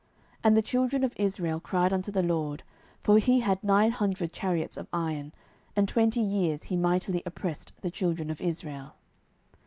07:004:003 And the children of Israel cried unto the LORD: for he had nine hundred chariots of iron; and twenty years he mightily oppressed the children of Israel.